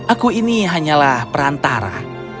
aku ini hanyalah perantara